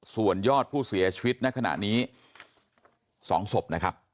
ส่วนยอดผู้เสียชีวิตในขณะนี้๒ศพนะครับ